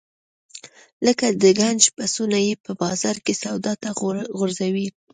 لکه د ګنج پسونه یې په بازار کې سودا ته غورځوي.